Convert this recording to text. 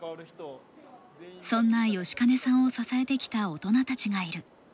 そんな吉金さんを支えてきた大人たちがいる。